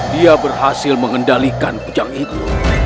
dia berhasil mengendalikan kujang itu